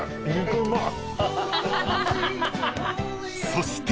［そして］